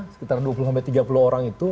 sekitar dua puluh tiga puluh orang itu